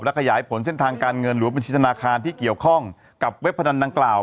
ขยายผลเส้นทางการเงินหรือว่าบัญชีธนาคารที่เกี่ยวข้องกับเว็บพนันดังกล่าว